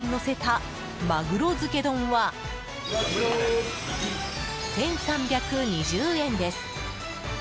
７枚のせたまぐろづけ丼は、１３２０円です。